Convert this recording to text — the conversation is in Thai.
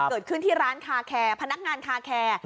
เกิดขึ้นที่ร้านคาแคร์พนักงานคาแคร์